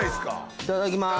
いただきます。